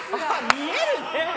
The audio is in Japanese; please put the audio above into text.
見えるね！